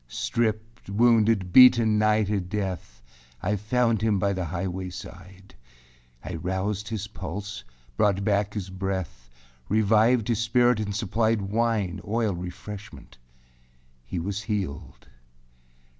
5. Stript, wounded, beaten nigh to death, I found him by the highway side. I roused his pulse, brought back his breath, Revived his spirit, and supplied Wine, oil, refreshmentâhe was healed.